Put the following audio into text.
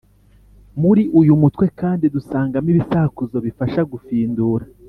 muri uyu mutwe kandi dusangamo ibisakuzo bifasha gufindura